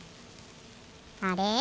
あれ？